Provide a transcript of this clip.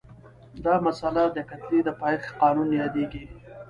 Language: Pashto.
دا مسئله د کتلې د پایښت قانون یادیږي.